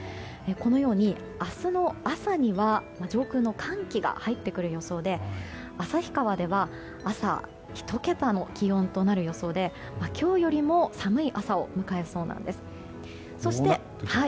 このように明日の朝には上空の寒気が入ってくる予想で旭川では朝、１桁の気温となる予想で今日よりも寒い朝を迎えそうなんです。